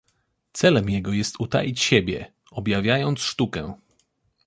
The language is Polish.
Celem jego jest utaić siebie, objawiając sztukę.